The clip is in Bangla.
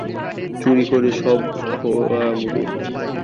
চুরি করে সব খোয়ালুম।